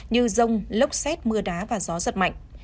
như rông lốc xét mưa đá và gió giật mạnh